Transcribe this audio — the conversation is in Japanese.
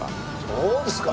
そうですか。